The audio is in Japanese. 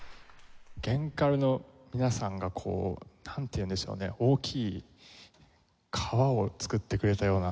弦カルの皆さんがこうなんていうんでしょうね大きい川を作ってくれたような。